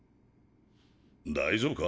大丈夫か。